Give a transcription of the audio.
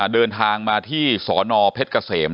เดินทางมาที่สนเพชรเกษม